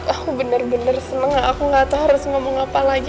aku bener bener seneng aku gak tahu harus ngomong apa lagi